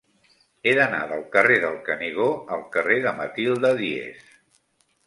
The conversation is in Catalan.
He d'anar del carrer del Canigó al carrer de Matilde Díez.